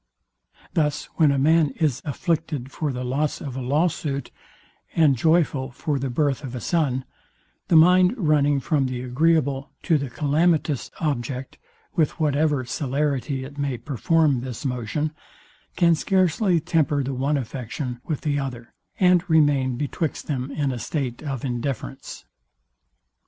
Thus when a man is afflicted for the loss of a law suit, and joyful for the birth of a son, the mind running from the agreeable to the calamitous object, with whatever celerity it may perform this motion, can scarcely temper the one affection with the other, and remain betwixt them in a state of indifference.